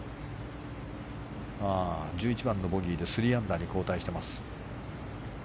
１１番のボギーで３アンダーに後退しています。